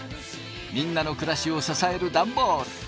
みんなの暮らしを支えるダンボール。